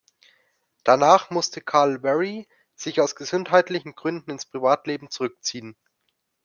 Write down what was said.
Danach musste Carl Wery sich aus gesundheitlichen Gründen ins Privatleben zurückziehen.